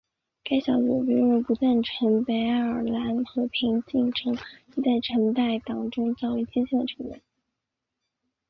该小组被认为不赞成北爱尔兰和平进程及在橙带党中较为激进的成员。